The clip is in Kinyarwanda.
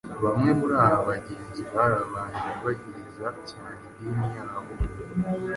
Bamwe muri aba bagenzi bari abantu bubahiriza cyane idini yabo